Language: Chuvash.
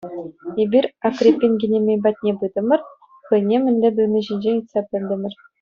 Эпир Акриппин кинемей патне пытӑмӑр, хӑйне мӗнле туйни ҫинчен ыйтса пӗлтӗмӗр.